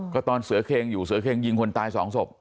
ก็ตอนเสือเค็งอยู่เสือเค็งยิงคนตายสองศพ